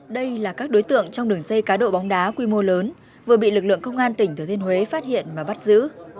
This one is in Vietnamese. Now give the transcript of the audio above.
đây là các đối tượng trong đường dây cá độ bóng đá quy mô lớn vừa bị lực lượng công an tỉnh thừa thiên huế phát hiện và bắt giữ